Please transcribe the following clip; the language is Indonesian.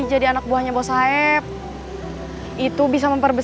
tapi kayaknya sekarang udah pergi